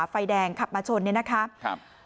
ไฟแดงขับมาชนเนี่ยนะครับ